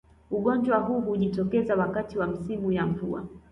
Ugonjwa huu hujitokeza wakati wa misimu ya mvua